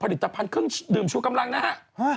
ผลิตภัณฑ์เครื่องดื่มชูกำลังนะฮะ